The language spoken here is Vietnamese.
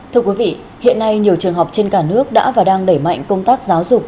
thưa quý vị hiện nay nhiều trường học trên cả nước đã và đang đẩy mạnh công tác giáo dục